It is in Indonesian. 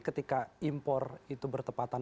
ketika impor itu bertepatan